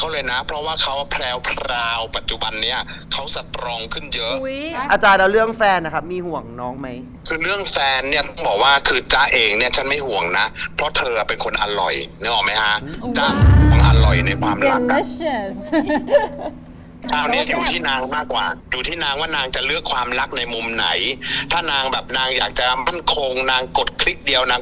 แล้วเรามูหนักขนาดไหน